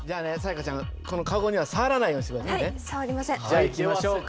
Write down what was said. じゃあいきましょうか？